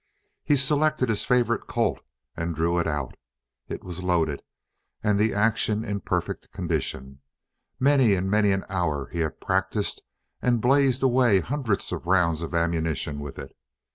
He selected his favorite Colt and drew it out. It was loaded, and the action in perfect condition. Many and many an hour he had practiced and blazed away hundreds of rounds of ammunition with it.